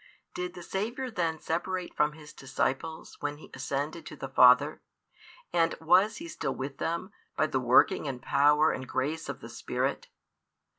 Did the Saviour then separate from His disciples when He ascended to the Father, and was He still with them, by the working and power and grace of the Spirit?